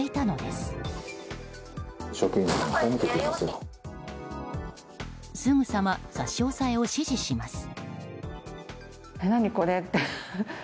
すぐさま差し押さえを指示します。